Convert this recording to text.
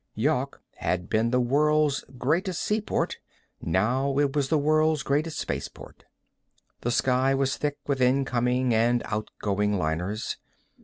Yawk had been the world's greatest seaport; now it was the world's greatest spaceport. The sky was thick with incoming and outgoing liners.